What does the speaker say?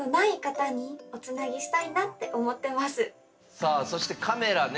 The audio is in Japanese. さあそしてカメラね。